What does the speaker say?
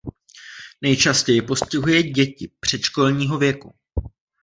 Nejčastěji postihuje děti předškolního věku.